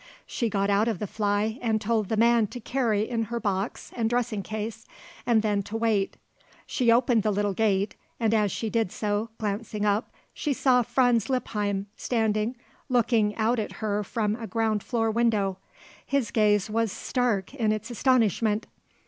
She got out of the fly and told the man to carry in her box and dressing case and then to wait. She opened the little gate, and as she did so, glancing up, she saw Franz Lippheim standing looking out at her from a ground floor window. His gaze was stark in its astonishment.